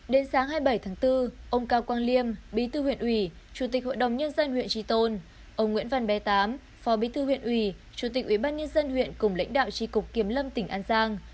đến sáng hai mươi bảy tháng bốn ông cao quang liêm bí thư huyện ủy chủ tịch hội đồng nhân dân huyện tri tôn ông nguyễn văn bé tám phó bí thư huyện ủy chủ tịch ủy ban nhân dân huyện cùng lãnh đạo tri cục kiểm lâm tỉnh an giang